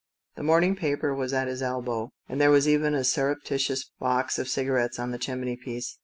The morning paper was at his elbow, and there was a suggestive looking box of ciga rettes on the chimney piece.